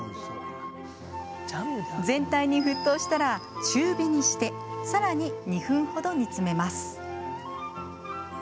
全体に沸騰したら中火にして更に２分ほど煮詰めます。